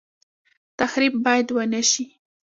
تخریب باید ونشي